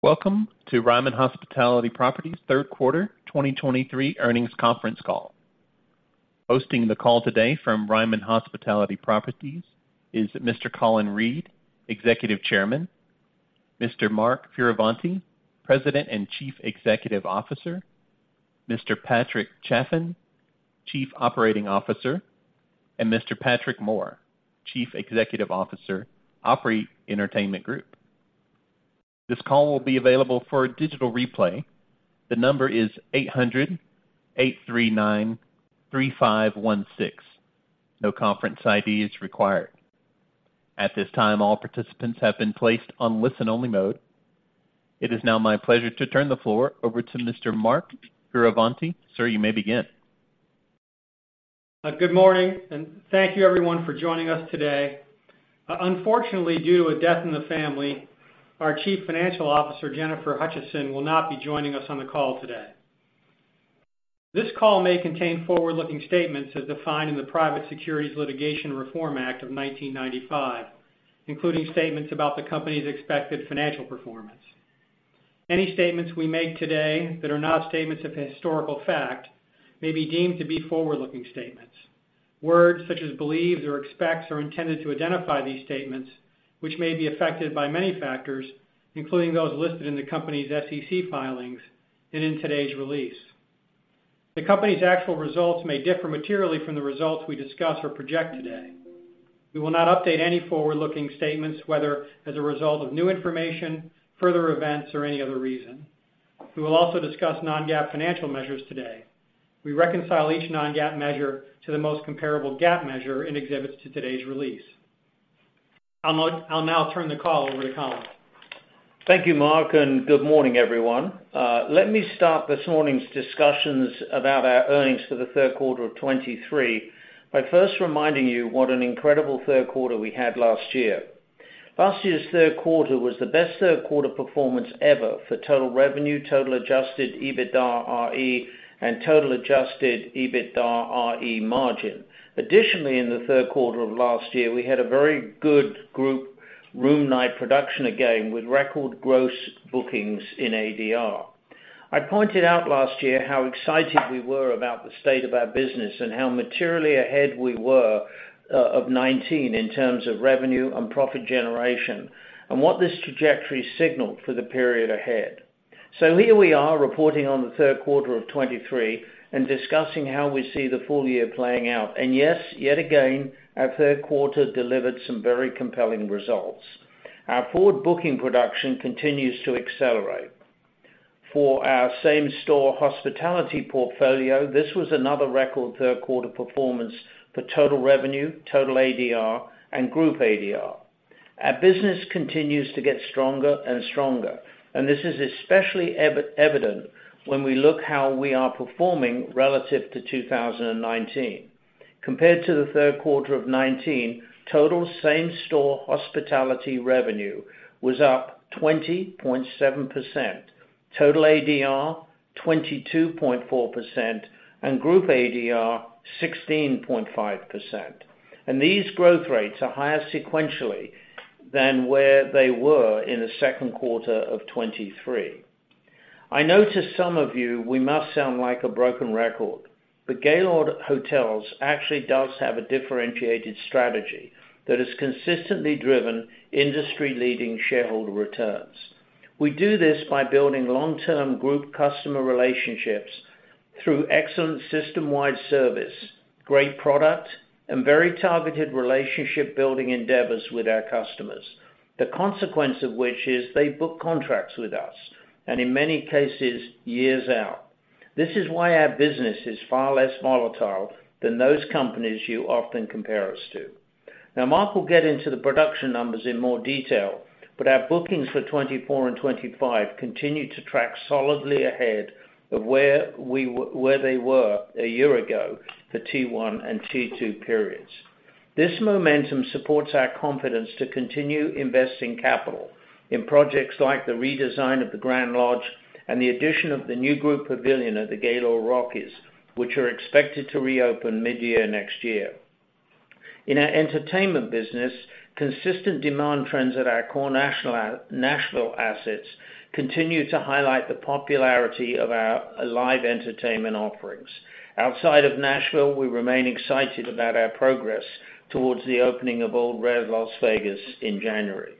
Welcome to Ryman Hospitality Properties' Q3 2023 earnings conference call. Hosting the call today from Ryman Hospitality Properties is Mr. Colin Reed, Executive Chairman, Mr. Mark Fioravanti, President and Chief Executive Officer, Mr. Patrick Chaffin, Chief Operating Officer, and Mr. Patrick Moore, Chief Executive Officer, Opry Entertainment Group. This call will be available for a digital replay. The number is 800-839-3516. No conference ID is required. At this time, all participants have been placed on listen-only mode. It is now my pleasure to turn the floor over to Mr. Mark Fioravanti. Sir, you may begin. Good morning, and thank you everyone for joining us today. Unfortunately, due to a death in the family, our Chief Financial Officer, Jennifer Hutcheson, will not be joining us on the call today. This call may contain forward-looking statements as defined in the Private Securities Litigation Reform Act of 1995, including statements about the company's expected financial performance. Any statements we make today that are not statements of historical fact may be deemed to be forward-looking statements. Words such as believes or expects are intended to identify these statements, which may be affected by many factors, including those listed in the company's SEC filings and in today's release. The company's actual results may differ materially from the results we discuss or project today. We will not update any forward-looking statements, whether as a result of new information, further events, or any other reason. We will also discuss non-GAAP financial measures today. We reconcile each non-GAAP measure to the most comparable GAAP measure in exhibits to today's release. I'll now turn the call over to Colin. Thank you, Mark, and good morning, everyone. Let me start this morning's discussions about our earnings for the Q3 of 2023 by first reminding you what an incredible Q3 we had last year. Last year's Q3 was the best Q3 performance ever for total revenue, total adjusted EBITDAre, and total adjusted EBITDAre margin. Additionally, in the Q3 of last year, we had a very good group room night production again, with record gross bookings in ADR. I pointed out last year how excited we were about the state of our business and how materially ahead we were of 2019 in terms of revenue and profit generation, and what this trajectory signaled for the period ahead. So here we are, reporting on the Q3 of 2023 and discussing how we see the full year playing out. Yes, yet again, our Q3 delivered some very compelling results. Our forward booking production continues to accelerate. For our same-store hospitality portfolio, this was another record Q3 performance for total revenue, total ADR, and group ADR. Our business continues to get stronger and stronger, and this is especially evident when we look how we are performing relative to 2019. Compared to the Q3 of 2019, total same-store hospitality revenue was up 20.7%, total ADR, 22.4%, and group ADR, 16.5%. And these growth rates are higher sequentially than where they were in the Q2 of 2023. I know to some of you, we must sound like a broken record, but Gaylord Hotels actually does have a differentiated strategy that has consistently driven industry-leading shareholder returns. We do this by building long-term group customer relationships through excellent system-wide service, great product, and very targeted relationship building endeavors with our customers. The consequence of which is they book contracts with us, and in many cases, years out. This is why our business is far less volatile than those companies you often compare us to. Now, Mark will get into the production numbers in more detail, but our bookings for 2024 and 2025 continue to track solidly ahead of where they were a year ago for T+1 and T+2 periods. This momentum supports our confidence to continue investing capital in projects like the redesign of the Grand Lodge and the addition of the new group pavilion at the Gaylord Rockies, which are expected to reopen mid-year next year. In our entertainment business, consistent demand trends at our core national assets continue to highlight the popularity of our live entertainment offerings. Outside of Nashville, we remain excited about our progress towards the opening of Ole Red Las Vegas in January.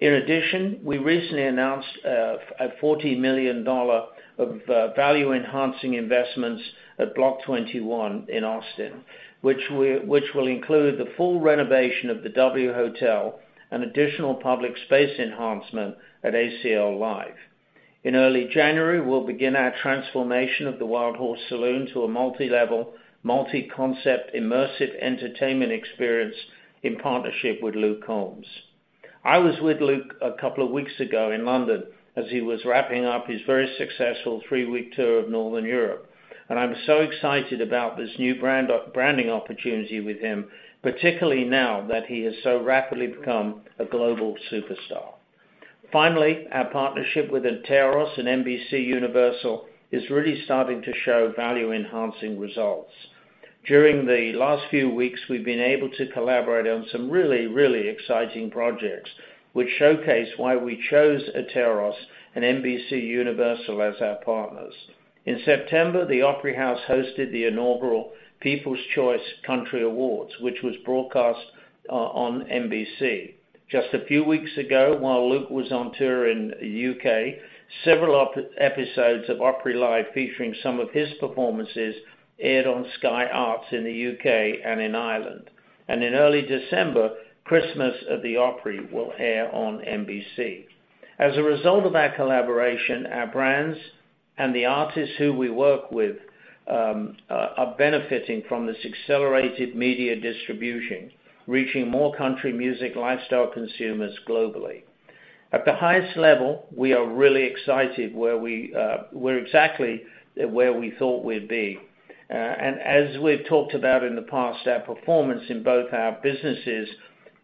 In addition, we recently announced a $40 million of value-enhancing investments at Block 21 in Austin, which will include the full renovation of the W Hotel and additional public space enhancement at ACL Live. In early January, we'll begin our transformation of the Wildhorse Saloon to a multi-level, multi-concept, immersive entertainment experience in partnership with Luke Combs. I was with Luke a couple of weeks ago in London as he was wrapping up his very successful three-week tour of Northern Europe, and I'm so excited about this new branding opportunity with him, particularly now that he has so rapidly become a global superstar. Finally, our partnership with Atairos and NBCUniversal is really starting to show value-enhancing results. During the last few weeks, we've been able to collaborate on some really, really exciting projects, which showcase why we chose Atairos and NBCUniversal as our partners. In September, the Opry House hosted the inaugural People's Choice Country Awards, which was broadcast on NBC. Just a few weeks ago, while Luke was on tour in U.K., several episodes of Opry Live, featuring some of his performances, aired on Sky Arts in the U.K. and in Ireland. And in early December, Christmas at the Opry will air on NBC. As a result of our collaboration, our brands and the artists who we work with are benefiting from this accelerated media distribution, reaching more country music lifestyle consumers globally. At the highest level, we are really excited. Where we're exactly where we thought we'd be. And as we've talked about in the past, our performance in both our businesses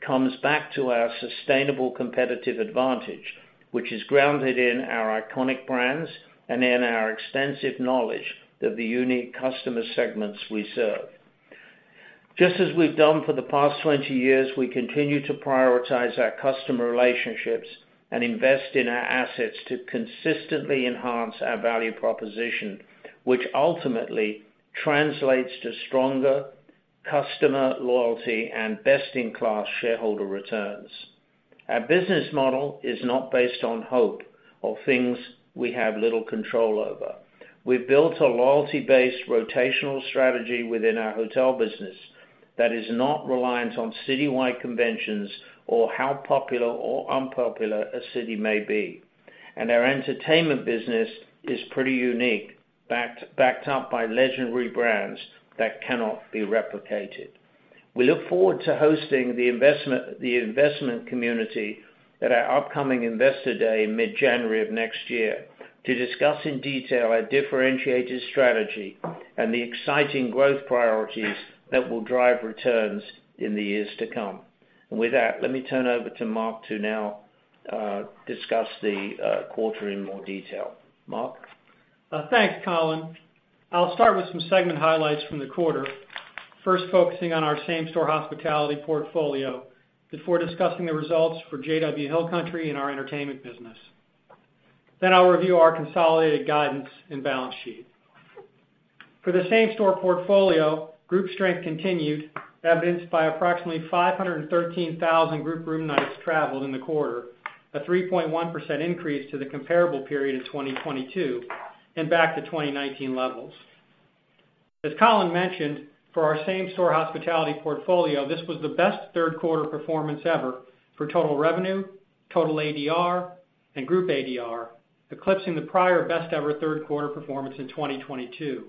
comes back to our sustainable competitive advantage, which is grounded in our iconic brands and in our extensive knowledge of the unique customer segments we serve. Just as we've done for the past 20 years, we continue to prioritize our customer relationships and invest in our assets to consistently enhance our value proposition, which ultimately translates to stronger customer loyalty and best-in-class shareholder returns. Our business model is not based on hope or things we have little control over. We've built a loyalty-based rotational strategy within our hotel business that is not reliant on citywide conventions or how popular or unpopular a city may be. And our entertainment business is pretty unique, backed up by legendary brands that cannot be replicated. We look forward to hosting the investment community at our upcoming Investor Day in mid-January of next year, to discuss in detail our differentiated strategy and the exciting growth priorities that will drive returns in the years to come. And with that, let me turn over to Mark to now discuss the quarter in more detail. Mark? Thanks, Colin. I'll start with some segment highlights from the quarter. First, focusing on our same-store hospitality portfolio, before discussing the results for JW Hill Country and our entertainment business. Then I'll review our consolidated guidance and balance sheet. For the same-store portfolio, group strength continued, evidenced by approximately 513,000 group room nights traveled in the quarter, a 3.1% increase to the comparable period in 2022, and back to 2019 levels. As Colin mentioned, for our same-store hospitality portfolio, this was the best Q3 performance ever for total revenue, total ADR, and group ADR, eclipsing the prior best-ever Q3 performance in 2022.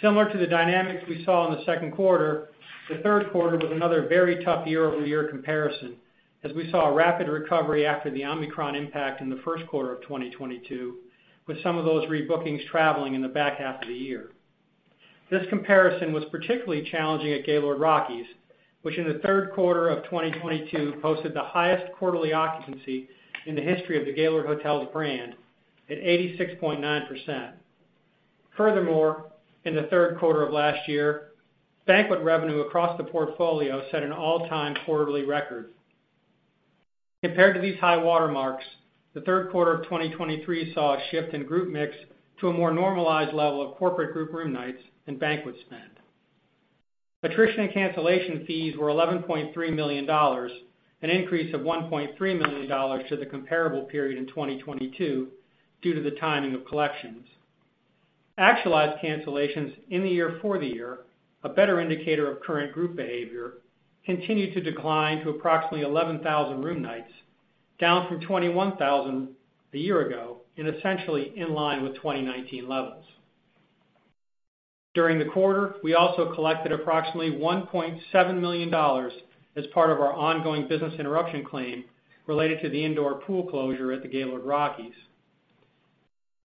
Similar to the dynamics we saw in the Q2, the Q3 was another very tough year-over-year comparison, as we saw a rapid recovery after the Omicron impact in the Q1 of 2022, with some of those rebookings traveling in the back half of the year. This comparison was particularly challenging at Gaylord Rockies, which, in the Q3 of 2022, posted the highest quarterly occupancy in the history of the Gaylord Hotels brand, at 86.9%. Furthermore, in the Q3 of last year, banquet revenue across the portfolio set an all-time quarterly record. Compared to these high watermarks, the Q3 of 2023 saw a shift in group mix to a more normalized level of corporate group room nights and banquet spend. Attrition and cancellation fees were $11.3 million, an increase of $1.3 million to the comparable period in 2022, due to the timing of collections. Actualized cancellations in the year for the year, a better indicator of current group behavior, continued to decline to approximately 11,000 room nights, down from 21,000 a year ago, and essentially in line with 2019 levels. During the quarter, we also collected approximately $1.7 million as part of our ongoing business interruption claim related to the indoor pool closure at the Gaylord Rockies.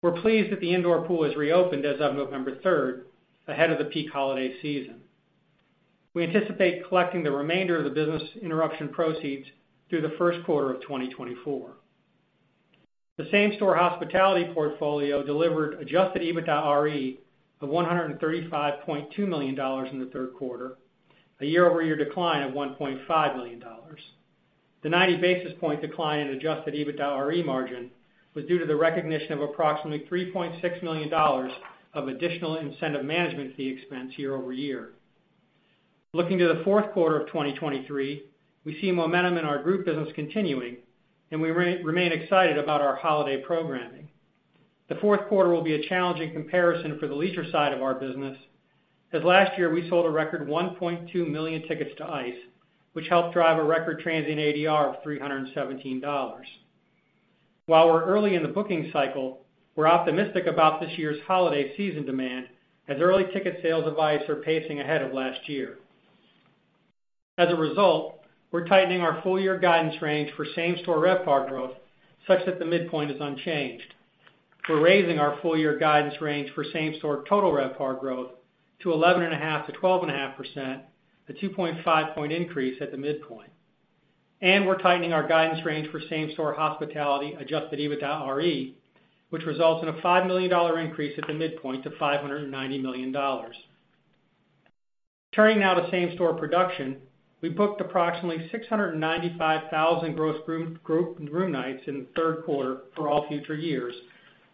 We're pleased that the indoor pool is reopened as of November 3, ahead of the peak holiday season. We anticipate collecting the remainder of the business interruption proceeds through the Q1 of 2024. The same-store hospitality portfolio delivered Adjusted EBITDAre of $135.2 million in the Q3, a year-over-year decline of $1.5 million. The 90 basis point decline in Adjusted EBITDAre margin was due to the recognition of approximately $3.6 million of additional incentive management fee expense year-over-year. Looking to the Q4 of 2023, we see momentum in our group business continuing, and we remain excited about our holiday programming. The Q4 will be a challenging comparison for the leisure side of our business, as last year we sold a record 1.2 million tickets to ICE! which helped drive a record transient ADR of $317. While we're early in the booking cycle, we're optimistic about this year's holiday season demand, as early ticket sales of ICE! are pacing ahead of last year. As a result, we're tightening our full year guidance range for same-store RevPAR growth, such that the midpoint is unchanged. We're raising our full year guidance range for same-store total RevPAR growth to 11.5%-12.5%, a 2.5-point increase at the midpoint... and we're tightening our guidance range for same-store hospitality Adjusted EBITDAre, which results in a $5 million increase at the midpoint to $590 million. Turning now to same-store production, we booked approximately 695,000 gross room, group room nights in the Q3 for all future years,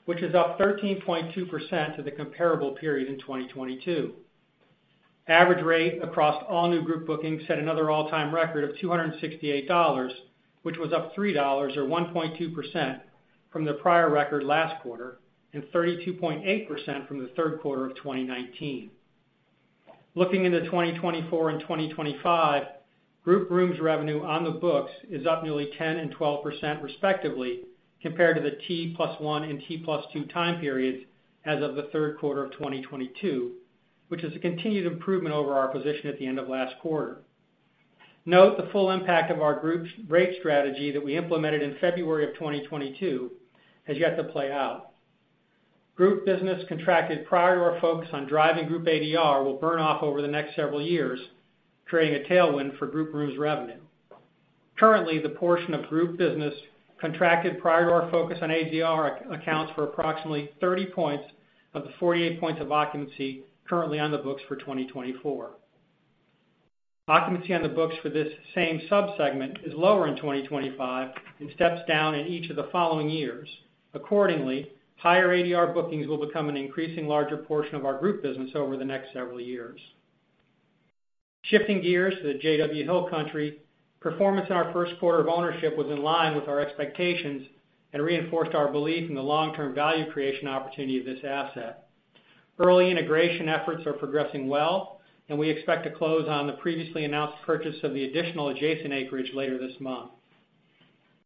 which is up 13.2% to the comparable period in 2022. Average rate across all new group bookings set another all-time record of $268, which was up $3 or 1.2% from the prior record last quarter, and 32.8% from the Q3 of 2019. Looking into 2024 and 2025, group rooms revenue on the books is up nearly 10% and 12%, respectively, compared to the T+1 and T+2 time periods as of the Q3 of 2022, which is a continued improvement over our position at the end of last quarter. Note, the full impact of our group's rate strategy that we implemented in February of 2022, has yet to play out. Group business contracted prior to our focus on driving group ADR will burn off over the next several years, creating a tailwind for group rooms revenue. Currently, the portion of group business contracted prior to our focus on ADR accounts for approximately 30 points of the 48 points of occupancy currently on the books for 2024. Occupancy on the books for this same sub-segment is lower in 2025 and steps down in each of the following years. Accordingly, higher ADR bookings will become an increasing larger portion of our group business over the next several years. Shifting gears to the JW Hill Country, performance in our Q1 of ownership was in line with our expectations and reinforced our belief in the long-term value creation opportunity of this asset. Early integration efforts are progressing well, and we expect to close on the previously announced purchase of the additional adjacent acreage later this month.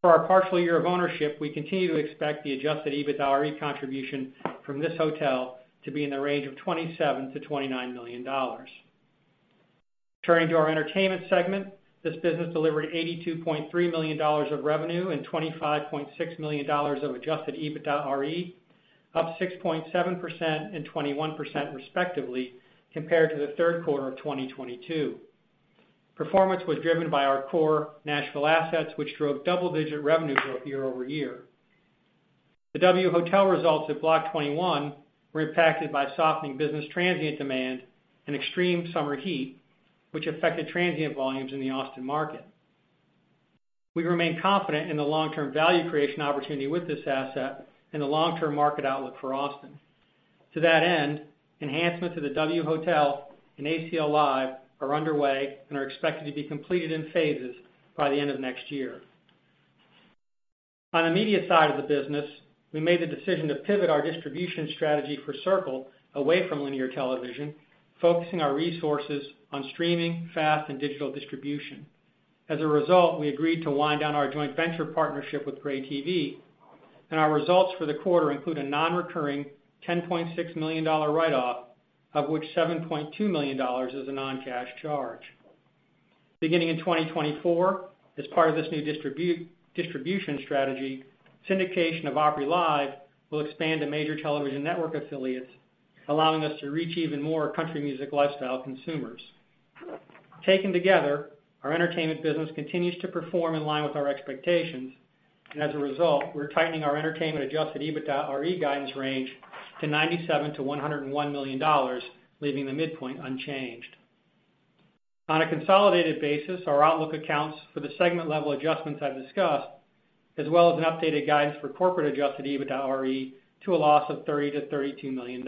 For our partial year of ownership, we continue to expect the Adjusted EBITDAre contribution from this hotel to be in the range of $27 million-$29 million. Turning to our entertainment segment, this business delivered $82.3 million of revenue and $25.6 million of Adjusted EBITDAre, up 6.7% and 21% respectively, compared to the Q3 of 2022. Performance was driven by our core national assets, which drove double-digit revenue growth year-over-year. The W Hotel results at Block 21 were impacted by softening business transient demand and extreme summer heat, which affected transient volumes in the Austin market. We remain confident in the long-term value creation opportunity with this asset and the long-term market outlook for Austin. To that end, enhancements to the W Hotel and ACL Live are underway and are expected to be completed in phases by the end of next year. On the media side of the business, we made the decision to pivot our distribution strategy for Circle away from linear television, focusing our resources on streaming, FAST, and digital distribution. As a result, we agreed to wind down our joint venture partnership with Gray TV, and our results for the quarter include a non-recurring $10.6 million write-off, of which $7.2 million is a non-cash charge. Beginning in 2024, as part of this new distribution strategy, syndication of Opry Live will expand to major television network affiliates, allowing us to reach even more country music lifestyle consumers. Taken together, our entertainment business continues to perform in line with our expectations, and as a result, we're tightening our entertainment Adjusted EBITDAre guidance range to $97 million-$101 million, leaving the midpoint unchanged. On a consolidated basis, our outlook accounts for the segment-level adjustments I've discussed, as well as an updated guidance for corporate Adjusted EBITDAre to a loss of $30 million-$32 million.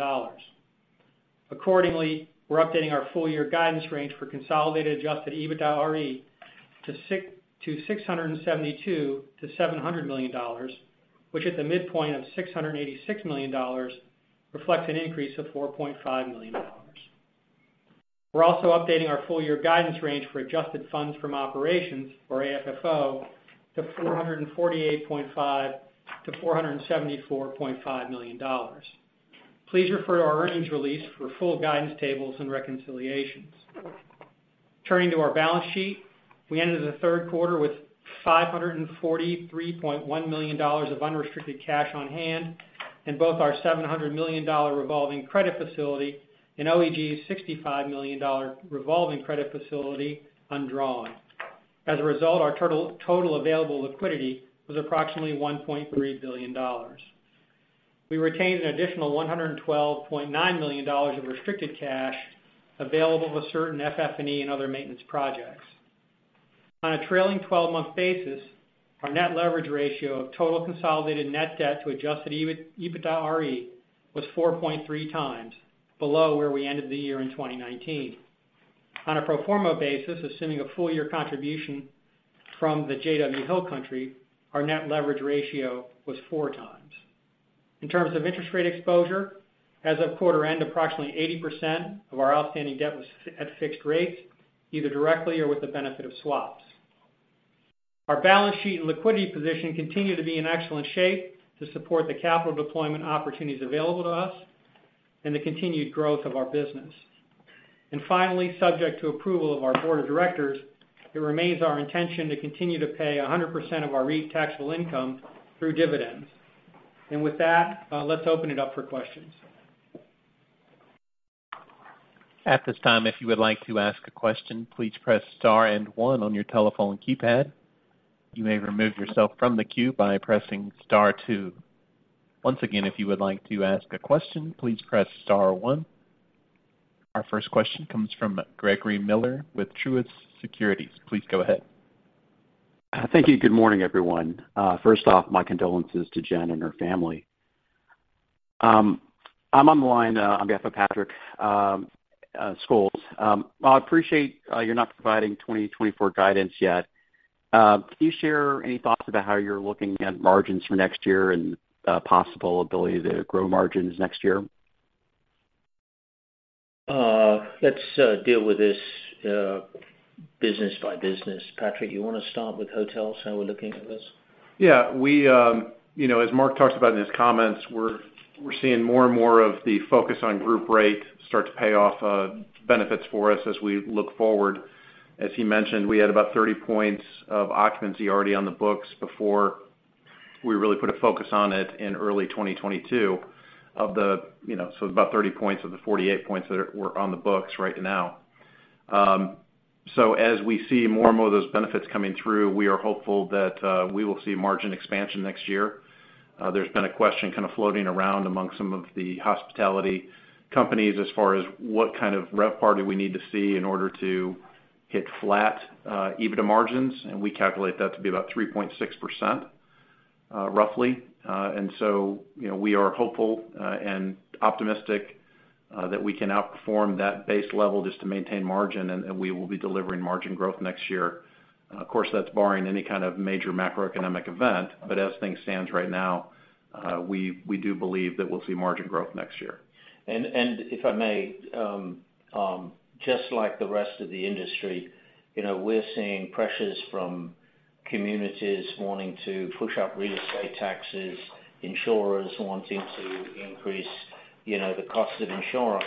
Accordingly, we're updating our full year guidance range for consolidated Adjusted EBITDAre to $672 million-$700 million, which at the midpoint of $686 million, reflects an increase of $4.5 million. We're also updating our full year guidance range for adjusted funds from operations, or AFFO, to $448.5 million-$474.5 million. Please refer to our earnings release for full guidance tables and reconciliations. Turning to our balance sheet, we ended the Q3 with $543.1 million of unrestricted cash on hand, and both our $700 million revolving credit facility and OEG's $65 million revolving credit facility undrawn. As a result, our total available liquidity was approximately $1.3 billion. We retained an additional $112.9 million of restricted cash available for certain FF&E and other maintenance projects. On a trailing twelve-month basis, our net leverage ratio of total consolidated net debt to Adjusted EBITDAre was 4.3 times, below where we ended the year in 2019. On a pro forma basis, assuming a full year contribution from the JW Hill Country, our net leverage ratio was 4 times. In terms of interest rate exposure, as of quarter end, approximately 80% of our outstanding debt was at fixed rates, either directly or with the benefit of swaps. Our balance sheet and liquidity position continue to be in excellent shape to support the capital deployment opportunities available to us and the continued growth of our business. And finally, subject to approval of our board of directors, it remains our intention to continue to pay 100% of our REIT taxable income through dividends. And with that, let's open it up for questions.... At this time, if you would like to ask a question, please press star and 1 on your telephone keypad. You may remove yourself from the queue by pressing star 2. Once again, if you would like to ask a question, please press star 1. Our first question comes from Gregory Miller with Truist Securities. Please go ahead. Thank you. Good morning, everyone. First off, my condolences to Jen and her family. I'm on the line on behalf of Patrick Scholes. I appreciate you're not providing 2024 guidance yet. Can you share any thoughts about how you're looking at margins for next year and possible ability to grow margins next year? Let's deal with this business by business. Patrick, you wanna start with hotels, how we're looking at this? Yeah. We, you know, as Mark talked about in his comments, we're, we're seeing more and more of the focus on group rate start to pay off, benefits for us as we look forward. As he mentioned, we had about 30 points of occupancy already on the books before we really put a focus on it in early 2022, of the, you know, so about 30 points of the 48 points that are, were on the books right now. So as we see more and more of those benefits coming through, we are hopeful that, we will see margin expansion next year. There's been a question kinda floating around among some of the hospitality companies as far as what kind of RevPAR we need to see in order to hit flat EBITDA margins, and we calculate that to be about 3.6%, roughly. And so, you know, we are hopeful and optimistic that we can outperform that base level just to maintain margin, and we will be delivering margin growth next year. Of course, that's barring any kind of major macroeconomic event, but as things stand right now, we do believe that we'll see margin growth next year. And if I may, just like the rest of the industry, you know, we're seeing pressures from communities wanting to push up real estate taxes, insurers wanting to increase, you know, the cost of insurance.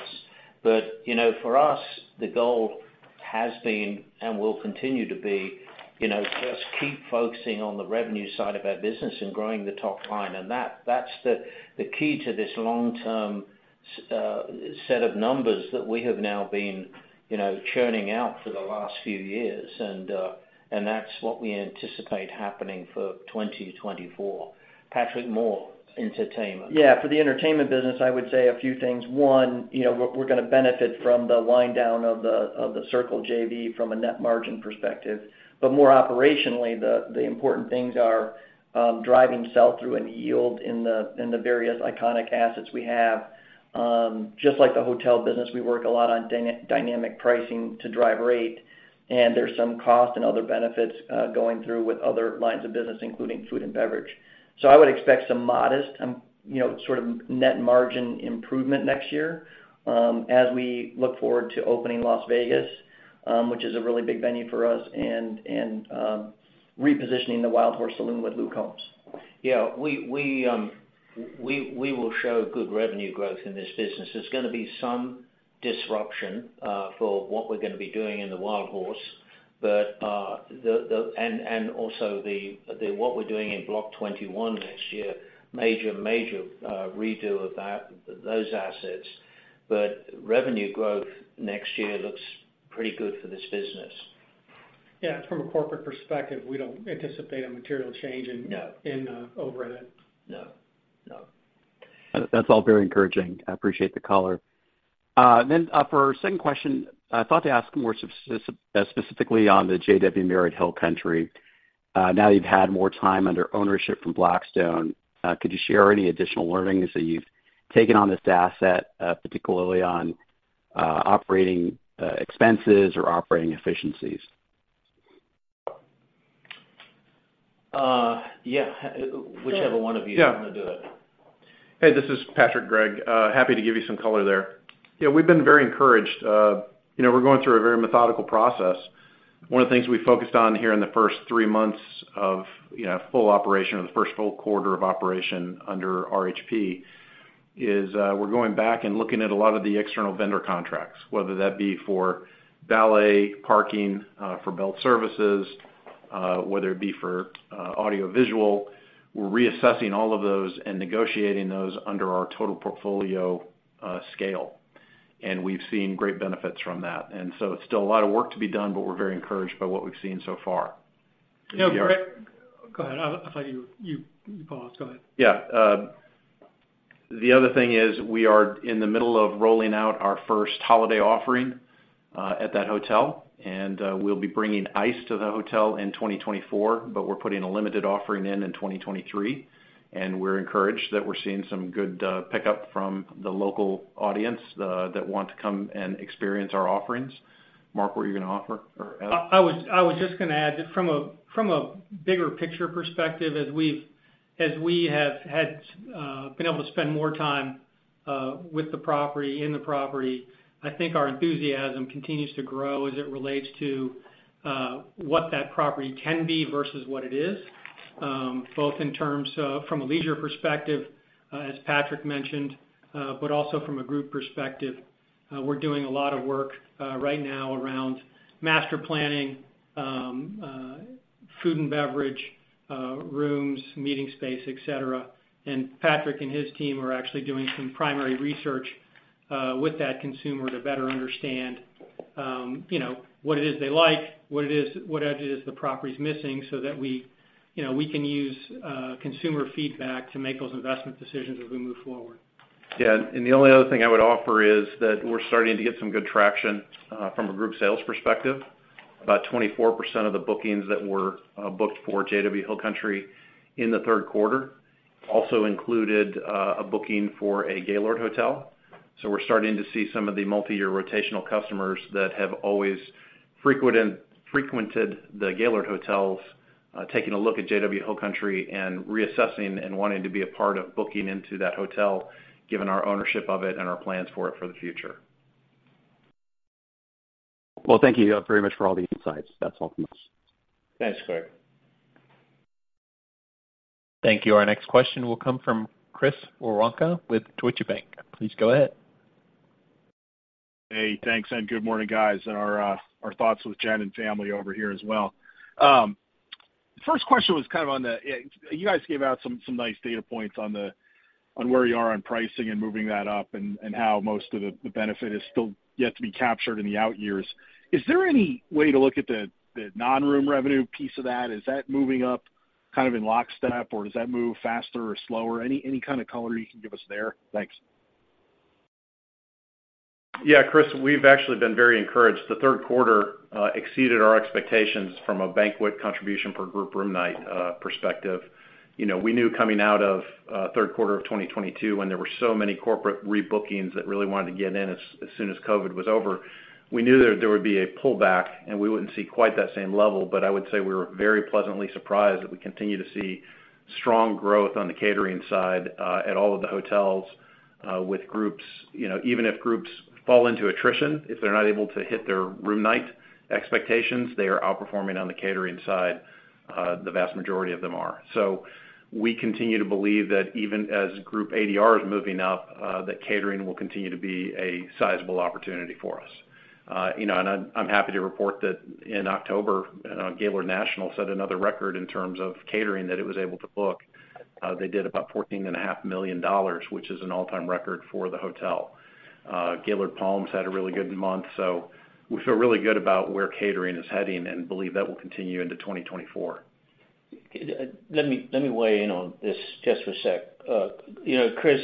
But, you know, for us, the goal has been, and will continue to be, you know, just keep focusing on the revenue side of our business and growing the top line, and that's the key to this long-term set of numbers that we have now been, you know, churning out for the last few years. And that's what we anticipate happening for 2024. Patrick Moore, entertainment. Yeah, for the entertainment business, I would say a few things. One, you know, we're gonna benefit from the wind down of the Circle JV from a net margin perspective. But more operationally, the important things are driving sell-through and yield in the various iconic assets we have. Just like the hotel business, we work a lot on dynamic pricing to drive rate, and there's some cost and other benefits going through with other lines of business, including food and beverage. So I would expect some modest, you know, sort of net margin improvement next year, as we look forward to opening Las Vegas, which is a really big venue for us, and repositioning the Wildhorse Saloon with Luke Combs. Yeah, we will show good revenue growth in this business. There's gonna be some disruption for what we're gonna be doing in the Wildhorse, but, and also what we're doing in Block 21 next year, major, major redo of those assets. But revenue growth next year looks pretty good for this business. Yeah, from a corporate perspective, we don't anticipate a material change in- No... in, overhead. No. No. That's all very encouraging. I appreciate the color. Then, for our second question, I thought to ask more specifically on the JW Marriott Hill Country. Now that you've had more time under ownership from Blackstone, could you share any additional learnings that you've taken on this asset, particularly on operating expenses or operating efficiencies? Yeah, whichever one of you- Yeah... wanna do it. Hey, this is Patrick, Greg. Happy to give you some color there. Yeah, we've been very encouraged. You know, we're going through a very methodical process. One of the things we focused on here in the first three months of, you know, full operation or the first full quarter of operation under RHP, is we're going back and looking at a lot of the external vendor contracts, whether that be for valet parking, for bell services, whether it be for audio visual. We're reassessing all of those and negotiating those under our total portfolio scale, and we've seen great benefits from that. So it's still a lot of work to be done, but we're very encouraged by what we've seen so far. Yeah, Greg. Go ahead. I thought you paused. Go ahead. Yeah. The other thing is, we are in the middle of rolling out our first holiday offering at that hotel, and we'll be bringing ice to the hotel in 2024, but we're putting a limited offering in 2023, and we're encouraged that we're seeing some good pickup from the local audience that want to come and experience our offerings. Mark, what are you gonna offer? Or add. I was just gonna add, from a bigger picture perspective, as we have had been able to spend more time with the property, in the property, I think our enthusiasm continues to grow as it relates to what that property can be versus what it is, both in terms of from a leisure perspective, as Patrick mentioned, but also from a group perspective. We're doing a lot of work right now around master planning.... food and beverage, rooms, meeting space, et cetera. And Patrick and his team are actually doing some primary research with that consumer to better understand, you know, what it is they like, what edge it is the property's missing, so that we, you know, we can use consumer feedback to make those investment decisions as we move forward. Yeah, and the only other thing I would offer is that we're starting to get some good traction, from a group sales perspective. About 24% of the bookings that were booked for JW Hill Country in the Q3 also included a booking for a Gaylord hotel. So we're starting to see some of the multiyear rotational customers that have always frequented the Gaylord hotels, taking a look at JW Hill Country and reassessing and wanting to be a part of booking into that hotel, given our ownership of it and our plans for it for the future. Well, thank you, very much for all the insights. That's all from us. Thanks, Chris. Thank you. Our next question will come from Chris Woronka with Deutsche Bank. Please go ahead. Hey, thanks, and good morning, guys, and our, our thoughts with Jen and family over here as well. First question was kind of on the... You guys gave out some, some nice data points on the- on where you are on pricing and moving that up, and, and how most of the, the benefit is still yet to be captured in the out years. Is there any way to look at the, the non-room revenue piece of that? Is that moving up kind of in lockstep, or does that move FASTer or slower? Any, any kind of color you can give us there? Thanks. Yeah, Chris, we've actually been very encouraged. The Q3 exceeded our expectations from a banquet contribution per group room night perspective. You know, we knew coming out of Q3 of 2022, when there were so many corporate rebookings that really wanted to get in as soon as COVID was over, we knew that there would be a pullback, and we wouldn't see quite that same level. But I would say we were very pleasantly surprised that we continue to see strong growth on the catering side at all of the hotels with groups. You know, even if groups fall into attrition, if they're not able to hit their room night expectations, they are outperforming on the catering side the vast majority of them are. So we continue to believe that even as group ADR is moving up, that catering will continue to be a sizable opportunity for us. You know, and I'm happy to report that in October, Gaylord National set another record in terms of catering that it was able to book. They did about $14.5 million, which is an all-time record for the hotel. Gaylord Palms had a really good month, so we feel really good about where catering is heading and believe that will continue into 2024. Let me weigh in on this just for a sec. You know, Chris,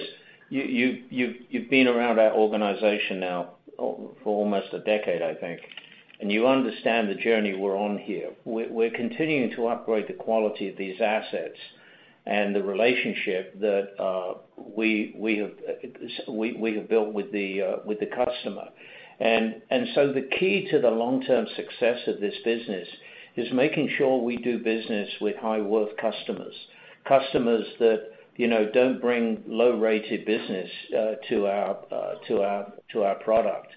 you've been around our organization now for almost a decade, I think, and you understand the journey we're on here. We're continuing to upgrade the quality of these assets and the relationship that we have built with the customer. And so the key to the long-term success of this business is making sure we do business with high worth customers, customers that you know don't bring low-rated business to our product.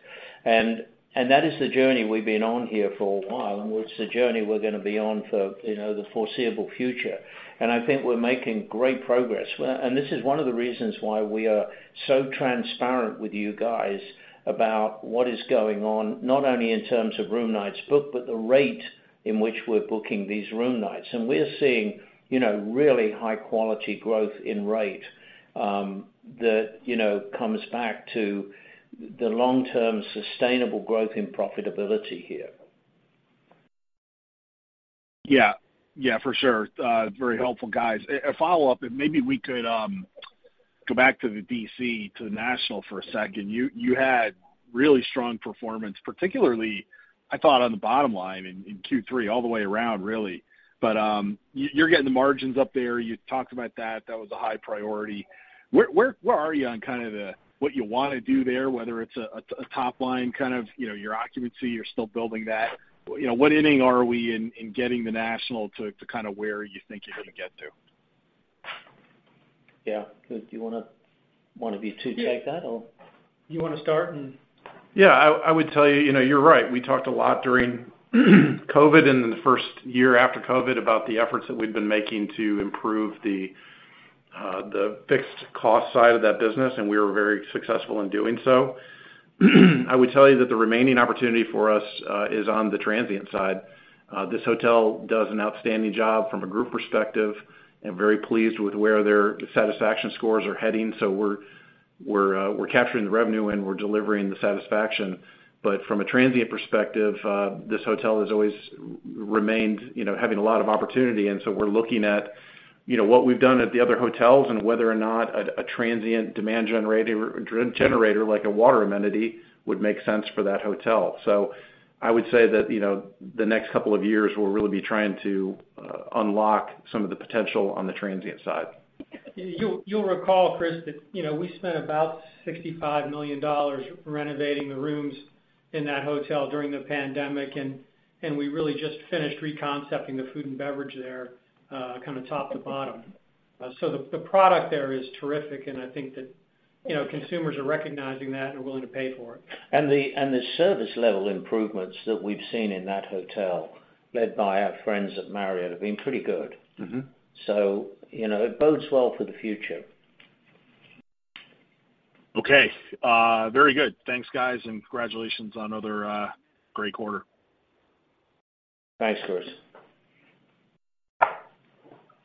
And that is the journey we've been on here for a while, and it's the journey we're gonna be on for you know the foreseeable future. And I think we're making great progress. Well, and this is one of the reasons why we are so transparent with you guys about what is going on, not only in terms of room nights booked, but the rate in which we're booking these room nights. And we're seeing, you know, really high-quality growth in rate, that, you know, comes back to the long-term sustainable growth and profitability here. Yeah. Yeah, for sure. A follow-up, and maybe we could go back to the D.C., to the National for a second. You, you had really strong performance, particularly, I thought, on the bottom line in Q3, all the way around, really. But, you, you're getting the margins up there. You talked about that. That was a high priority. Where, where, where are you on kind of the, what you wanna do there, whether it's a top line, kind of, you know, your occupancy, you're still building that? You know, what inning are we in, in getting the National to, to kind of where you think you're gonna get to? Yeah. Do you wanna one of you two take that, or? You wanna start and- Yeah, I would tell you, you know, you're right. We talked a lot during COVID and the first year after COVID about the efforts that we'd been making to improve the fixed cost side of that business, and we were very successful in doing so. I would tell you that the remaining opportunity for us is on the transient side. This hotel does an outstanding job from a group perspective. I'm very pleased with where their satisfaction scores are heading, so we're capturing the revenue, and we're delivering the satisfaction. But from a transient perspective, this hotel has always remained, you know, having a lot of opportunity, and so we're looking at, you know, what we've done at the other hotels and whether or not a transient demand generator, like a water amenity, would make sense for that hotel. So I would say that, you know, the next couple of years, we'll really be trying to unlock some of the potential on the transient side. You'll recall, Chris, that, you know, we spent about $65 million renovating the rooms in that hotel during the pandemic, and we really just finished reconcepting the food and beverage there, kind of top to bottom. So the product there is terrific, and I think that, you know, consumers are recognizing that and are willing to pay for it. And the service level improvements that we've seen in that hotel, led by our friends at Marriott, have been pretty good. Mm-hmm. You know, it bodes well for the future.... Okay, very good. Thanks, guys, and congratulations on another, great quarter. Thanks, Chris.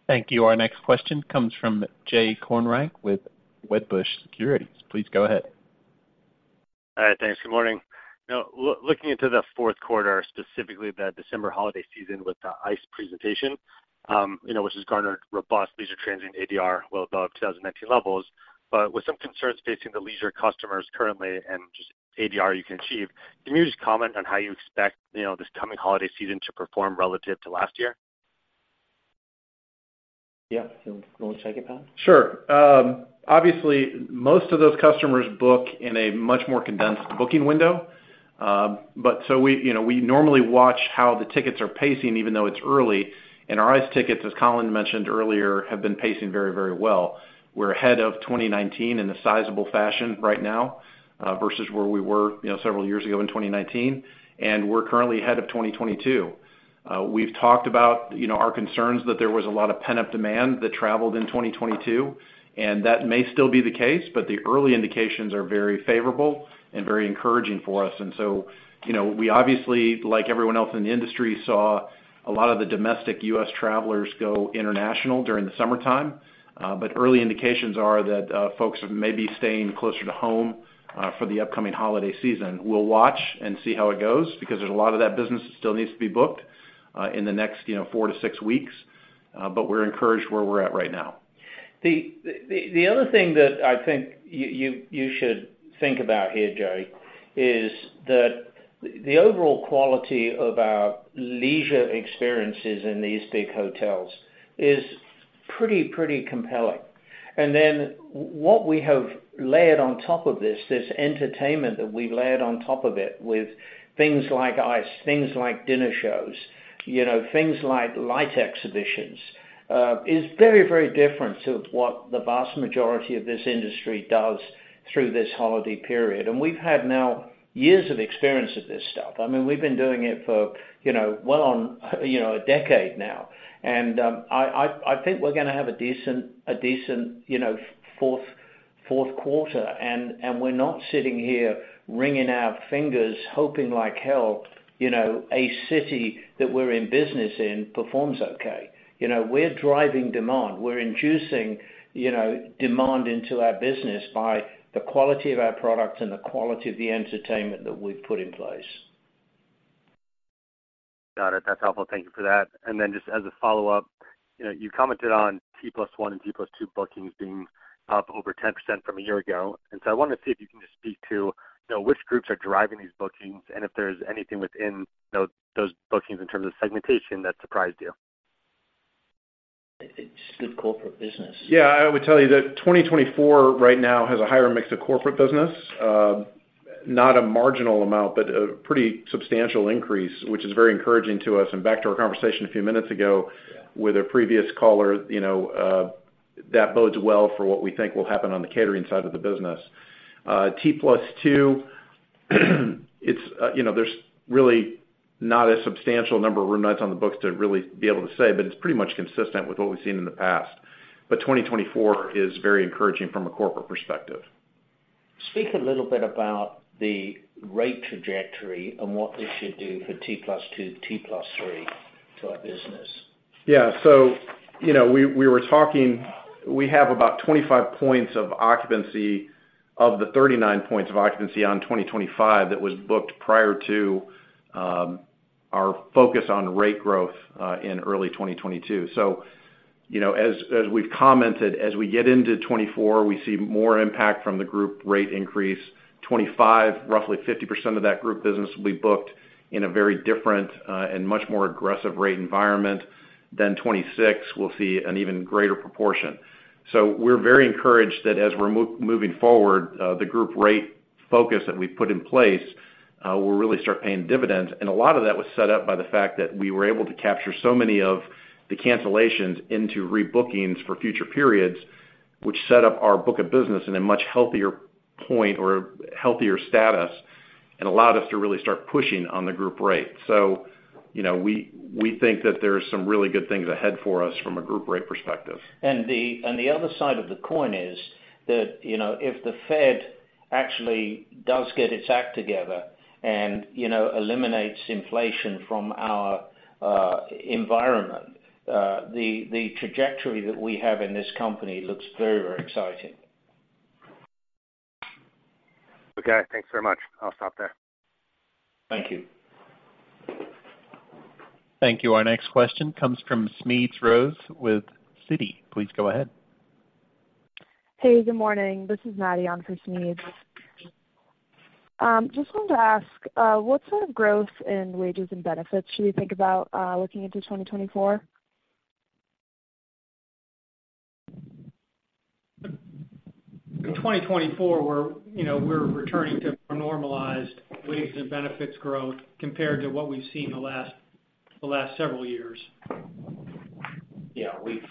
Thank you. Our next question comes from Jay Kornreich with Wedbush Securities. Please go ahead. All right, thanks. Good morning. Now, looking into the Q4, specifically the December holiday season with the ICE! presentation, you know, which has garnered robust leisure transient ADR, well above 2019 levels. But with some concerns facing the leisure customers currently and just ADR you can achieve, can you just comment on how you expect, you know, this coming holiday season to perform relative to last year? Yeah. You want to take it, Pat? Sure. Obviously, most of those customers book in a much more condensed booking window. But so we, you know, we normally watch how the tickets are pacing, even though it's early. And our ICE! tickets, as Colin mentioned earlier, have been pacing very, very well. We're ahead of 2019 in a sizable fashion right now, versus where we were, you know, several years ago in 2019, and we're currently ahead of 2022. We've talked about, you know, our concerns that there was a lot of pent-up demand that traveled in 2022, and that may still be the case, but the early indications are very favorable and very encouraging for us. And so, you know, we obviously, like everyone else in the industry, saw a lot of the domestic U.S. travelers go international during the summertime. But early indications are that folks may be staying closer to home for the upcoming holiday season. We'll watch and see how it goes, because there's a lot of that business that still needs to be booked in the next, you know, four to six weeks. But we're encouraged where we're at right now. The other thing that I think you should think about here, Jay, is that the overall quality of our leisure experiences in these big hotels is pretty compelling. And then what we have layered on top of this entertainment that we've layered on top of it, with things like Ice, things like dinner shows, you know, things like light exhibitions, is very, very different to what the vast majority of this industry does through this holiday period. And we've had now years of experience of this stuff. I mean, we've been doing it for, you know, well on, you know, a decade now. I think we're going to have a decent, you know, Q4, and we're not sitting here wringing our fingers, hoping like hell, you know, a city that we're in business in performs okay. You know, we're driving demand. We're inducing, you know, demand into our business by the quality of our products and the quality of the entertainment that we've put in place. Got it. That's helpful. Thank you for that. Then just as a follow-up, you know, you commented on T+1 and T+2 bookings being up over 10% from a year ago. So I wanted to see if you can just speak to, you know, which groups are driving these bookings, and if there's anything within, you know, those bookings in terms of segmentation that surprised you. It's good corporate business. Yeah, I would tell you that 2024 right now has a higher mix of corporate business. Not a marginal amount, but a pretty substantial increase, which is very encouraging to us. And back to our conversation a few minutes ago with a previous caller, you know, that bodes well for what we think will happen on the catering side of the business. T+2, it's, you know, there's really not a substantial number of room nights on the books to really be able to say, but it's pretty much consistent with what we've seen in the past. But 2024 is very encouraging from a corporate perspective. Speak a little bit about the rate trajectory and what this should do for T+2, T+3 to our business. Yeah. So, you know, we were talking. We have about 25 points of occupancy, of the 39 points of occupancy on 2025, that was booked prior to our focus on rate growth in early 2022. So, you know, as we've commented, as we get into 2024, we see more impact from the group rate increase. 2025, roughly 50% of that group business will be booked in a very different and much more aggressive rate environment. Then 2026, we'll see an even greater proportion. So we're very encouraged that as we're moving forward, the group rate focus that we've put in place will really start paying dividends. A lot of that was set up by the fact that we were able to capture so many of the cancellations into rebookings for future periods, which set up our book of business in a much healthier point or healthier status and allowed us to really start pushing on the group rate. You know, we think that there are some really good things ahead for us from a group rate perspective. The other side of the coin is that, you know, if the Fed actually does get its act together and, you know, eliminates inflation from our environment, the trajectory that we have in this company looks very, very exciting. Okay, thanks very much. I'll stop there. Thank you. Thank you. Our next question comes from Smedes Rose with Citi. Please go ahead. Hey, good morning. This is Maddie on for Smedes. Just wanted to ask, what sort of growth in wages and benefits should we think about, looking into 2024? In 2024, we're, you know, we're returning to normalized wages and benefits growth compared to what we've seen in the last several years. Yeah, we've.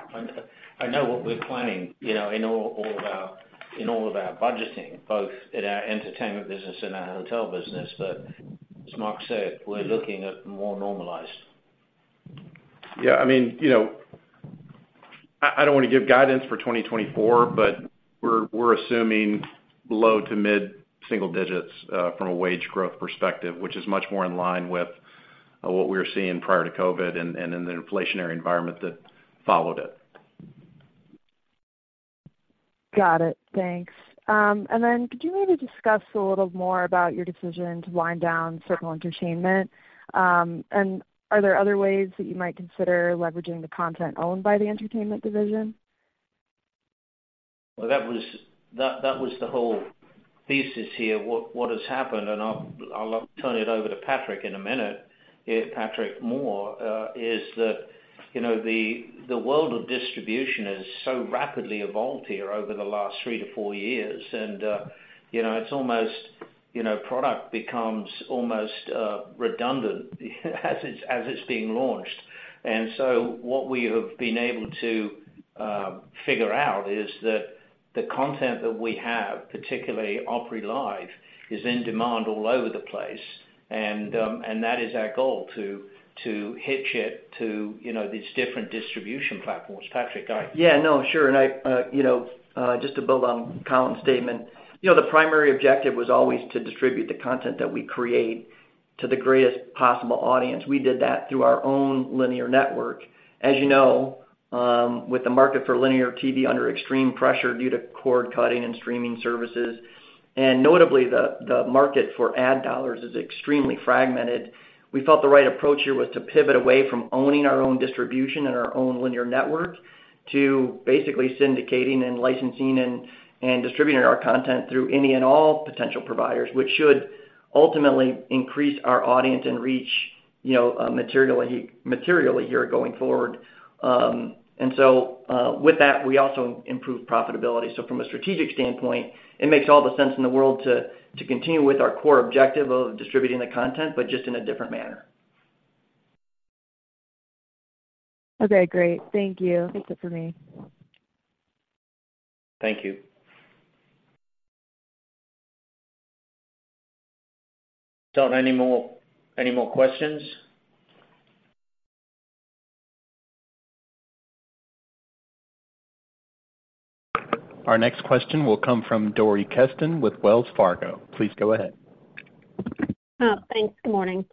I know what we're planning, you know, in all, all of our, in all of our budgeting, both in our entertainment business and our hotel business. But as Mark said, we're looking at more normalized.... Yeah, I mean, you know, I don't wanna give guidance for 2024, but we're assuming low to mid single digits from a wage growth perspective, which is much more in line with what we were seeing prior to COVID and in the inflationary environment that followed it. Got it. Thanks. And then could you maybe discuss a little more about your decision to wind down Circle Entertainment? And are there other ways that you might consider leveraging the content owned by the entertainment division? Well, that was the whole thesis here, what has happened, and I'll turn it over to Patrick in a minute. Here, Patrick Moore, is that, you know, the world of distribution has so rapidly evolved here over the last three to four years, and, you know, it's almost, you know, product becomes almost redundant as it's being launched. And so what we have been able to figure out is that the content that we have, particularly Opry Live, is in demand all over the place, and that is our goal, to hitch it to, you know, these different distribution platforms. Patrick, go ahead. Yeah, no, sure. I, you know, just to build on Colin's statement, you know, the primary objective was always to distribute the content that we create to the greatest possible audience. We did that through our own linear network. As you know, with the market for linear TV under extreme pressure due to cord cutting and streaming services, and notably, the market for ad dollars is extremely fragmented. We felt the right approach here was to pivot away from owning our own distribution and our own linear network to basically syndicating and licensing and distributing our content through any and all potential providers, which should ultimately increase our audience and reach, you know, materially here going forward. And so, with that, we also improve profitability. So from a strategic standpoint, it makes all the sense in the world to continue with our core objective of distributing the content, but just in a different manner. Okay, great. Thank you. That's it for me. Thank you. Don't have any more questions? Our next question will come from Dori Kesten with Wells Fargo. Please go ahead. Oh, thanks. Good morning.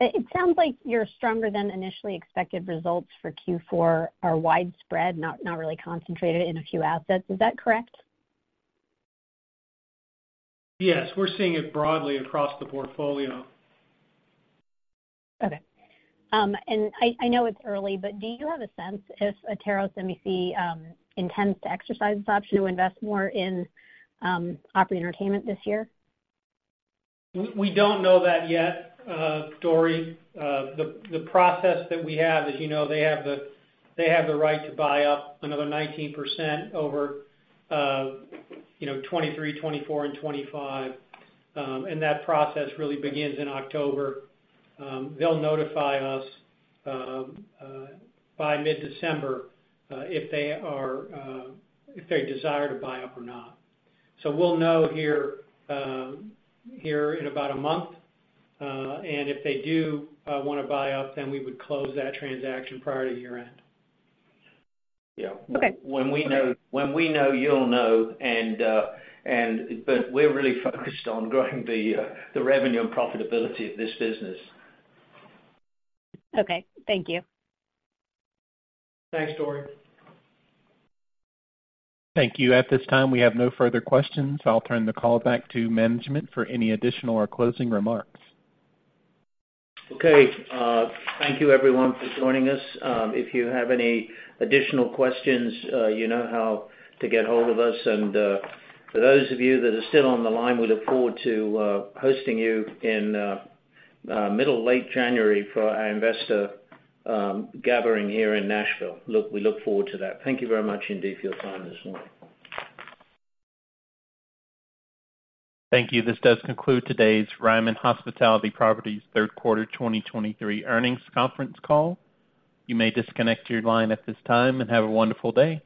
It sounds like your stronger than initially expected results for Q4 are widespread, not, not really concentrated in a few assets. Is that correct? Yes, we're seeing it broadly across the portfolio. Okay. I know it's early, but do you have a sense if Atairos intends to exercise its option to invest more in Opry Entertainment this year? We don't know that yet, Dori. The process that we have, as you know, they have the right to buy up another 19% over, you know, 2023, 2024, and 2025. And that process really begins in October. They'll notify us by mid-December if they desire to buy up or not. So we'll know here in about a month, and if they do wanna buy up, then we would close that transaction prior to year-end. Yeah. Okay. When we know, when we know, you'll know, and... But we're really focused on growing the revenue and profitability of this business. Okay, thank you. Thanks, Dori. Thank you. At this time, we have no further questions. I'll turn the call back to management for any additional or closing remarks. Okay, thank you everyone for joining us. If you have any additional questions, you know how to get hold of us, and, for those of you that are still on the line, we look forward to hosting you in middle, late January for our investor gathering here in Nashville. Look, we look forward to that. Thank you very much indeed for your time this morning. Thank you. This does conclude today's Ryman Hospitality Properties Q3 2023 earnings conference call. You may disconnect your line at this time, and have a wonderful day.